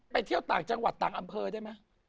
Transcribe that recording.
เที่ยวต่างจังหวัดต่างอำเภอได้ไหม